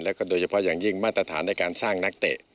แล้วก็โดยเฉพาะอย่างยิ่งมาตรฐานในการสร้างนักเตะ